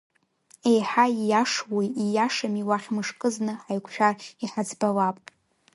Еиҳа ииашоуи ииашами уахь мышкы зны ҳаиқәшәар иҳаӡбалап…